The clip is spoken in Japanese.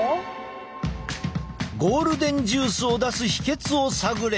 ゴールデンジュースを出す秘けつを探れ！